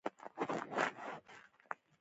د تاریخي ځایونو ورانول هویت ورکوي.